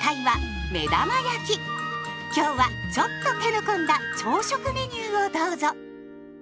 今日はちょっと手の込んだ朝食メニューをどうぞ！